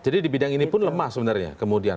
jadi di bidang ini pun lemah sebenarnya kemudian